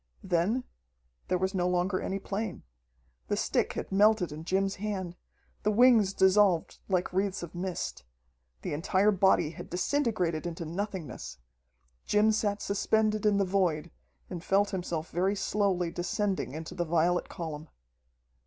Then there was no longer any plane. The stick had melted in Jim's hand, the wings dissolved like wreaths of mist. The entire body had disintegrated into nothingness. Jim sat suspended in the void, and felt himself very slowly descending into the violet column.